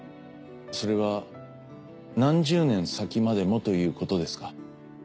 それは何十年先までもということですか？